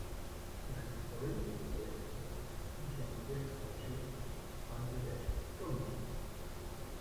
He left for India in April and joined the expatriate Bangladesh government.